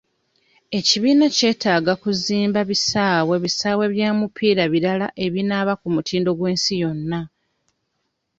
Ekibiina kyetaaga kuzimba bisaawe bisaawe bya mupiira birala ebinaaba ku mutindo gw'ensi yonna.